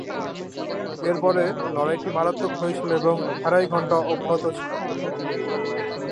এরপরে লড়াইটি মারাত্মক হয়েছিল এবং আড়াই ঘণ্টা অব্যাহত ছিল।